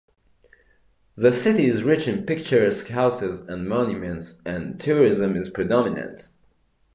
The city is rich in picturesque houses and monuments, and tourism is predominant.